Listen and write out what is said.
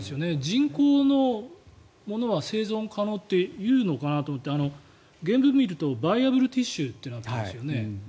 人工のものは生存可能っていうのかなと思って原文を見るとバイアブルティッシュとなっているんですね。